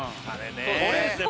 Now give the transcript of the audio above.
これですね